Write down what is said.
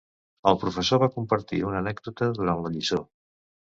El professor va compartir una anècdota durant la lliçó.